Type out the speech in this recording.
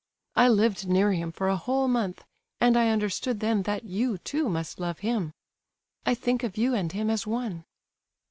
I lived near him for a whole month, and I understood then that you, too, must love him. I think of you and him as one."